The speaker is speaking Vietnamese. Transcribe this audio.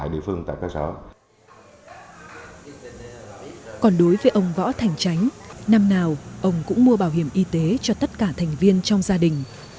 còn đối với ông võ thành chánh năm nào ông cũng mua bảo hiểm y tế cho tất cả thành viên trong gia đình